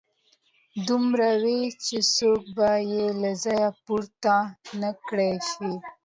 دومره وي چې څوک به يې له ځايه پورته نه کړای شي.